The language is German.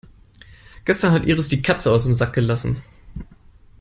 Gestern hat Iris die Katze aus dem Sack gelassen.